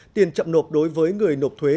tiền chậm nộp đối với người nộp thuế